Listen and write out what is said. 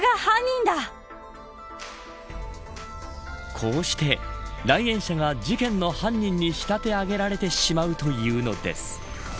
こうして来園者が事件の犯人に仕立て上げられてしまうというのです。